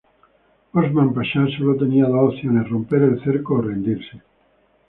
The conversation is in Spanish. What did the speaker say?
Osman Pasha solo tenía dos opciones, romper el cerco o rendirse.